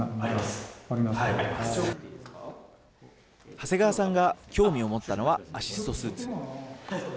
長谷川さんが興味を持ったのは、アシストスーツ。